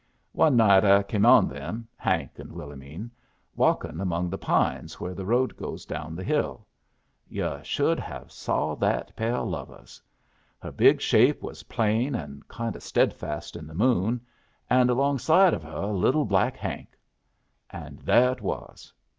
One night I came on them Hank and Willomene walkin' among the pines where the road goes down the hill. Yu' should have saw that pair o' lovers. Her big shape was plain and kind o' steadfast in the moon, and alongside of her little black Hank! And there it was.